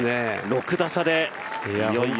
６打差でいよいよ。